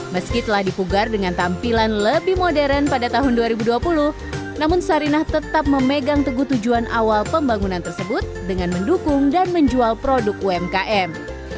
meski telah dipugar dengan tampilan lebih modern pada tahun dua ribu dua puluh namun sarinah tetap memegang teguh tujuan awal pembangunan tersebut dengan mendukung dan menjual produk umkm